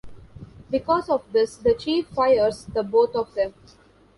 Because of this, the chief fires the both of them.